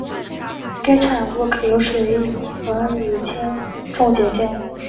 该产物可由水和乙腈重结晶。